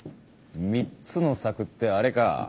３つの策ってあれか。